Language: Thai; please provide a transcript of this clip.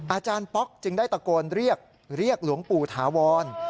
อาจารย์ป๊อกจึงได้ตะโกนเรียกเรียกหลวงปู่ถาวร